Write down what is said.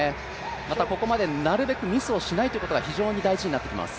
またここまでなるべくミスをしないということが非常に大事になってきます。